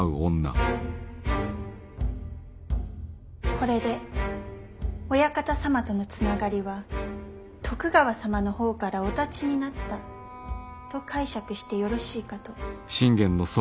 これでお屋形様とのつながりは徳川様の方からお断ちになったと解釈してよろしいかと。